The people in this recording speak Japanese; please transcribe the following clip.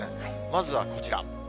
まずはこちら。